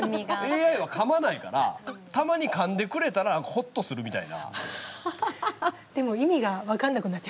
ＡＩは、かまないからたまに、かんでくれたらほっとするみたいな。